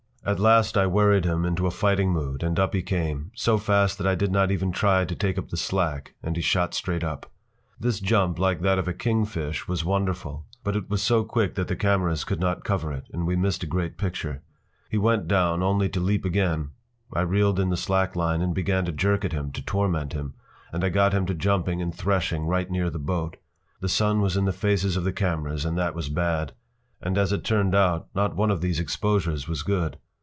At last I worried him into a fighting mood, and up he came, so fast that I did not even try to take up the slack, and he shot straight up. This jump, like that of a kingfish, was wonderful. But it was so quick that the cameras could not cover it, and we missed a great picture. He went down, only to leap again. I reeled in the slack line and began to jerk at him to torment him, and I got him to jumping and threshing right near the boat. The sun was in the faces of the cameras and that was bad. And as it turned out not one of these exposures was good.